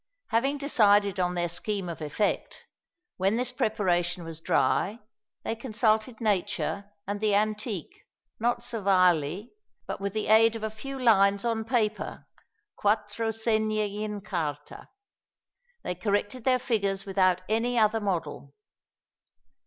Having decided on their scheme of effect, when this preparation was dry, they consulted nature and the antique; not servilely, but with the aid of a few lines on paper (quattro segni in carta) they corrected their figures without any other model.